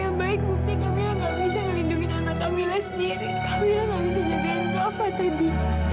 kamila gak bisa jagain kafa tadi